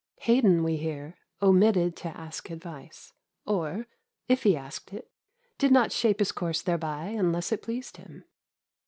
Haydon, we hear, omitted to ask advice, or, if he asked it, did not shape his course thereby unless it pleased him.